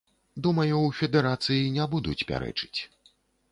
Думаю, у федэрацыі не будуць пярэчыць.